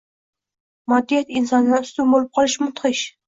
moddiyat Insondan ustun bo‘lib qolishi mudhish